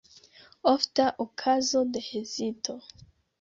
Ofta okazo de hezito.